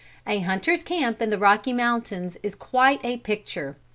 "A hunter's camp in the Rocky Mountains, is quite a picture.